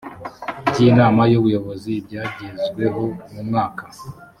by inama y ubuyobozi ibyagezweho mu mwaka